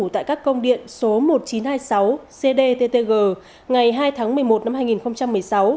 tại các công điện số một nghìn chín trăm hai mươi sáu cdttg ngày hai tháng một mươi một năm hai nghìn một mươi sáu